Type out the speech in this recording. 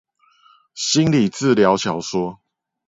心理治療小說